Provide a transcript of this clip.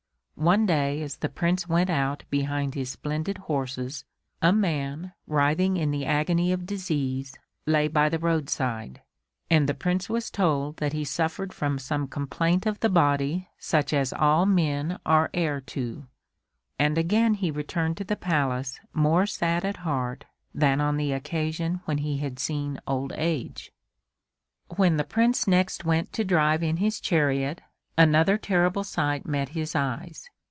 One day as the Prince went out behind his splendid horses, a man, writhing in the agony of disease, lay by the roadside, and the Prince was told that he suffered from some complaint of the body such as all men are heir to. And again he returned to the Palace more sad at heart than on the occasion when he had seen Old Age. When the Prince next went to drive in his chariot another terrible sight met his eyes.